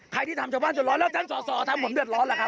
ที่ทำชาวบ้านเดือดร้อนแล้วท่านสอสอทำผมเดือดร้อนล่ะครับ